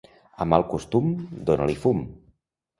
A mal costum, dona-li fum.